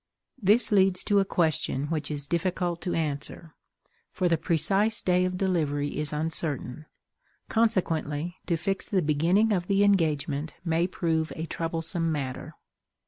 This leads to a question which is difficult to answer, for the precise day of delivery is uncertain; consequently to fix the beginning of the engagement may prove a troublesome matter.